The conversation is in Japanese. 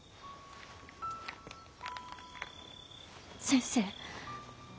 先生。